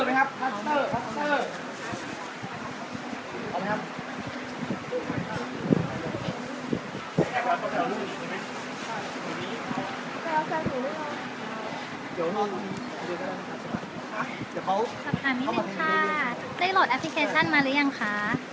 ขอถามนิดนึงค่ะได้โหลดแอพพลิเคชันมาหรือยังคะ